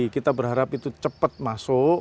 kita berharap itu cepat masuk